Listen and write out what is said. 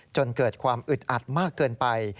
จนเกิดความอึดอัดมากเกินไป